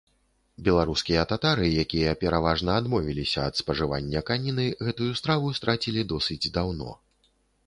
Беларускія татары, якія пераважна адмовіліся ад спажывання каніны, гэтую страву страцілі досыць даўно.